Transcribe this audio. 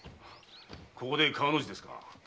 ここで川の字ですか。